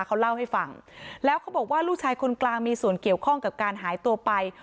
เขาเล่าให้ฟังแล้วเขาบอกว่าลูกชายคนกลางมีส่วนเกี่ยวข้องกับการหายตัวไป